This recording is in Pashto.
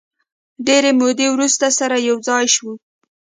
د ډېرې مودې وروسته سره یو ځای شوو.